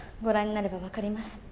ご覧になれば分かります。